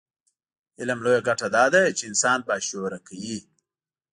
علم لویه ګټه دا ده چې انسان باشعوره کوي.